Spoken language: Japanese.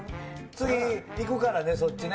次、行くからね、そっちね。